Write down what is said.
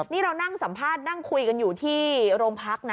นี่เรานั่งสัมภาษณ์นั่งคุยกันอยู่ที่โรงพักนะ